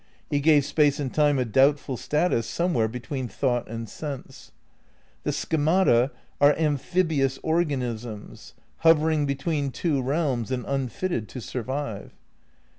He gave Space and Time a doubtful status somewhere between thought and sense. The schemata are am phibious organisms, hovering between two realms, and unfitted to survive.